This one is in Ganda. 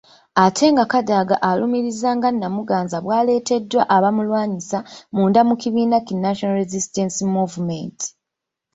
Ate nga Kadaga alumirizza nga Namuganza bw'aleeteddwa abamulwanyisa munda mu kibiina ki National Resistance Movement.